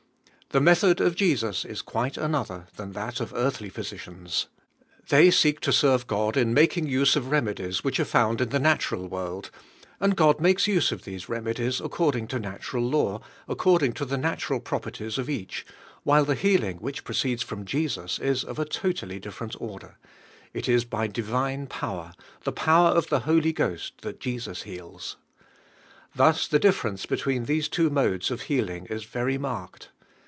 The method of Jesus is quite another ilia u that of earthly physicians. They seek lo serve God in making use of reme dies which are found in the natural world, and God makes use of these remedies ac cording to natural law, according to the natural properties of each, while the heal ing which proceeds from Jesus is of a to tally different order; it isby divine pow er, the power of the Holy Ghost, that Je sus heals. Thus the difference between these two modes of healing is very marked.